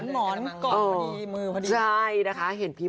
หมอนกรอบพอดีมือพอดี